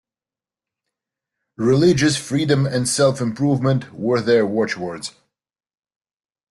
Religious freedom and self-improvement were their watchwords.